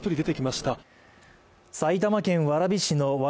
埼玉県蕨市の蕨